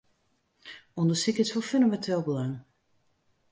Undersyk is fan fûneminteel belang.